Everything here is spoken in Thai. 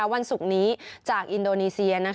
วันศุกร์นี้จากอินโดนีเซีย